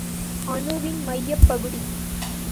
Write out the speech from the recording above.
அணுவின் மையப் பகுதி.